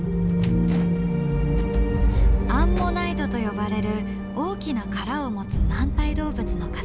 アンモナイトと呼ばれる大きな殻を持つ軟体動物の化石。